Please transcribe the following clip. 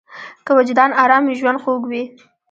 که وجدان ارام وي، ژوند خوږ وي.